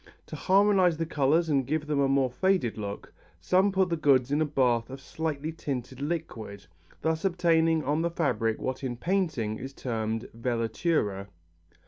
To harmonize the colours and give them a more faded look, some put the goods into a bath of slightly tinted liquid, thus obtaining on the fabric what in painting is termed velatura.